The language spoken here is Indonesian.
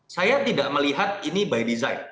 saya tidak melihat ini by design